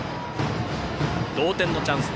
同点のチャンス